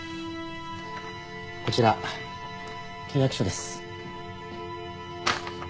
こちら契約書です。